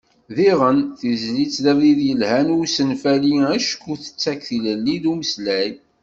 Diɣen, tizlit d abrid yelhan i usenfali, acku tettak tilelli n umeslay.